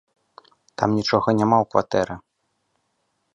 Там нічога няма ў кватэры!